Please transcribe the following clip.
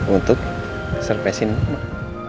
untuk servesin mak